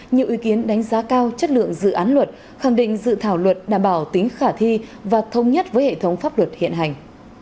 nhiều ý kiến đánh giá cao chất lượng dự án luật khẳng định dự thảo luật đảm bảo tính khả thi và thông nhất với hệ thống pháp luật hiện hành